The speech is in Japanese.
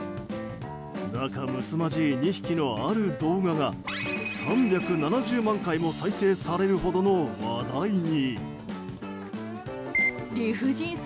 仲むつまじい２匹の、ある動画が３７０万回も再生されるほどの話題に。